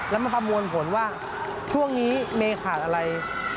แล้วมาคำนวณผลว่าช่วงนี้เมขาดอะไร